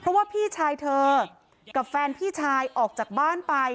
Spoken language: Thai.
เพราะว่าพี่ชายเธอกับแฟนพี่ชายออกจากบ้านไป